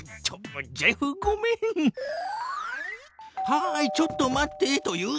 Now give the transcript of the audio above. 「はいちょっと待って」と言う。